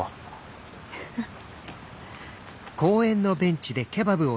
フフッ。